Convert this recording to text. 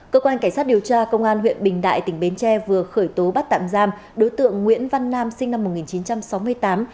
cơ quan cảnh sát điều tra công an huyện bình đại tỉnh bến tre vừa khởi tố bắt tạm giam đối tượng nguyễn văn nam sinh năm một nghìn chín trăm sáu mươi tám